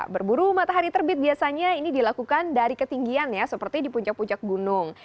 berburu matahari terbit biasanya ini dilakukan dari ketinggian ya seperti di puncak puncak gunung